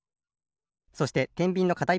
そしててんびんのかた